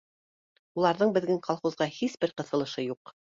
Уларҙың беҙҙең колхозға һис бер ҡыҫылышы юҡ